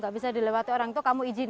gak bisa dilewati orang itu kamu izin